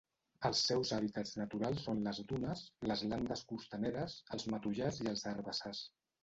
Els seus hàbitats naturals són les dunes, les landes costaneres, els matollars i els herbassars.